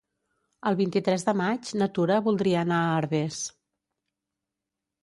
El vint-i-tres de maig na Tura voldria anar a Herbers.